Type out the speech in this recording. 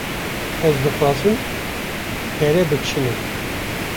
Ez dixwazim pere bikişînim.